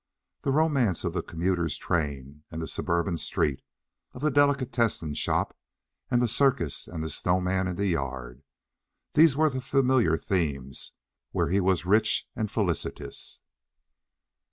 The romance of the commuter's train and the suburban street, of the delicatessen shop and the circus and the snowman in the yard these were the familiar themes where he was rich and felicitous.